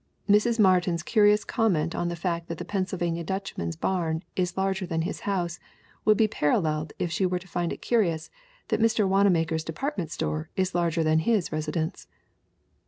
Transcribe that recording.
"Mrs. Martin's curious comment on the fact that the Penn sylvania Dutchman's barn is larger than his house would be paralleled if she were to find it curious that Mr. Wanamaker's department store is larger than his residence."